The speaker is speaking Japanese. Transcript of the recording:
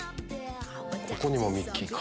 ここにもミッキーか。